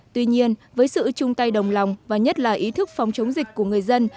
tuy nhiên với sự chung tay đồng lòng và nhất là ý thức phòng chống dịch của người dân